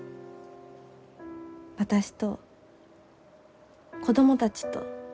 私と子供たちと。